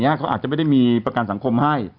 เขาอาจจะไม่ได้มีประกันสังคมให้